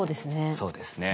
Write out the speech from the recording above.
そうですね。